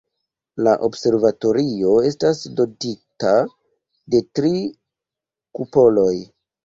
La observatorio estas dotita de tri kupoloj.